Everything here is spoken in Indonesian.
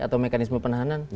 atau mekanisme penahanan